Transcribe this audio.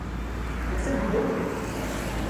Você veio!